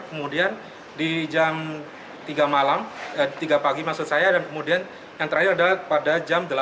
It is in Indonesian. kemudian di jam tiga malam tiga pagi maksud saya dan kemudian yang terakhir adalah pada jam delapan